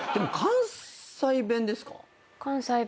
関西弁です。